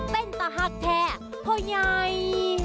เป็นตะหักแท่พ่อยัย